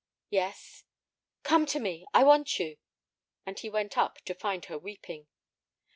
"Yes!" "Come to me; I want you." And he went up, to find her weeping.